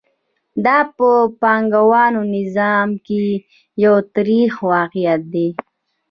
دا په پانګوالي نظام کې یو تریخ واقعیت دی